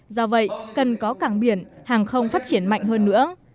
do vậy cần có cảng biển hàng không phát triển mạnh hơn nữa